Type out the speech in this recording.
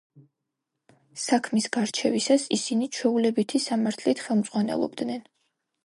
საქმის გარჩევისას ისინი ჩვეულებითი სამართლით ხელმძღვანელობდნენ.